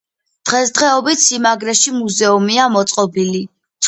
დღესდღეობით სიმაგრეში მუზეუმია მოწყობილი.